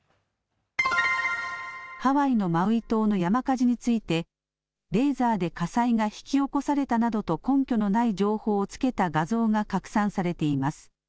ハワイのマウイ島の山火事について、レーザーで火災が引き起こされたなどと根拠のない情報をつけた画像が拡散されています。